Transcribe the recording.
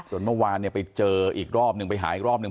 จนเมื่อวานไปเจออีกรอบนึงไปหาอีกรอบนึง